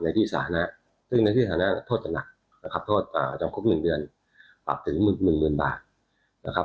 ในที่สานะซึ่งในที่สานะโทษจะหนักนะครับโทษอ่าจำคุกหนึ่งเดือนปรับถึงหมื่นหมื่นบาทนะครับ